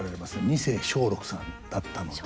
二世松緑さんだったので。